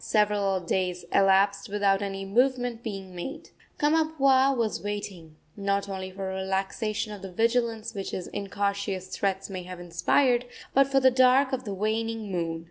Several days elapsed without any movement being made. Kamapuaa was waiting, not only for a relaxation of the vigilance which his incautious threats may have inspired, but for the dark of the waning moon.